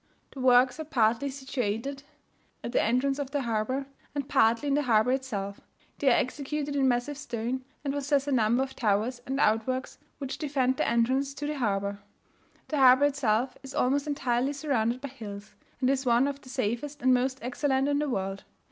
The works are partly situated at the entrance of the harbour, and partly in the harbour itself; they are executed in massive stone, and possess a number of towers and outworks which defend the entrance to the harbour. The harbour itself is almost entirely surrounded by hills, and is one of the safest and most excellent in the world.